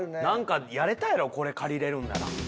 何かやれたやろこれ借りれるんなら。